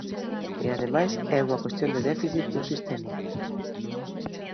E ademais é unha cuestión de déficits do sistema.